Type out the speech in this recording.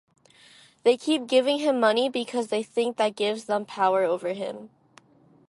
They keep giving him money because they think that gives them power over him.